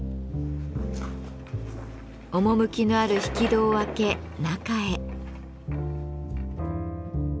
趣のある引き戸を開け中へ。